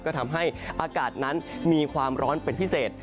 ก็ทำให้อากาศนั้นมีความร้อนเป็นพิเศษ